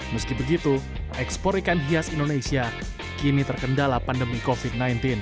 meski begitu ekspor ikan hias indonesia kini terkendala pandemi covid sembilan belas